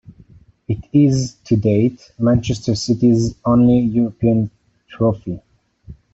It is, to date, Manchester City's only European trophy.